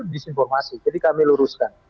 disinformasi jadi kami luruskan